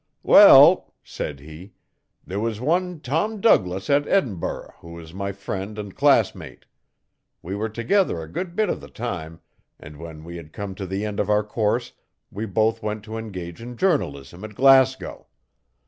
'Well,' said he, 'there was one Tom Douglass at Edinburgh who was my friend and classmate. We were together a good bit of the time, and when we had come to the end of our course we both went to engage in journalism at Glasgow.